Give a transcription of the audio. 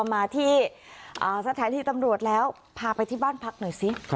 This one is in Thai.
มาที่สถานีตำรวจแล้วพาไปที่บ้านพักหน่อยสิ